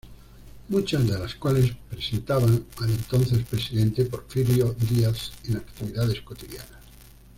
Muchas de las cuales presentaban al entonces presidente Porfirio Díaz en actividades cotidianas.